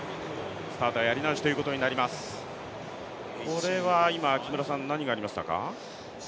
スタートがやり直しということになります、何がありましたか？